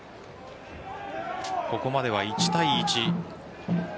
ここまでは１対１。